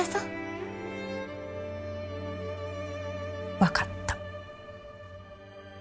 分かった。